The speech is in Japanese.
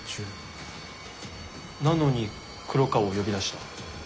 なのに黒川を呼び出した。